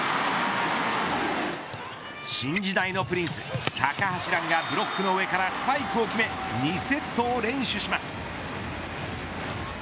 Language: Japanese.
新時代のプリンス、高橋藍がブロックの上からスパイクを決め２セットを連取します。